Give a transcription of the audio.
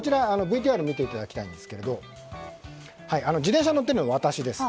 ＶＴＲを見ていただきたいんですけども自転車に乗っているのが私です。